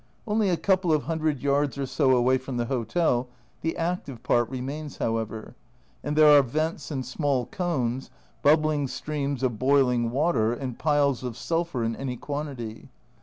Only a couple of hundred yards or so away from the hotel the active part remains, however, and there are vents and small cones, bubbling streams of boiling water, and piles of sulphur in any quantity.